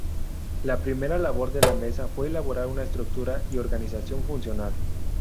La primera labor de la mesa fue elaborar una estructura y organización funcional.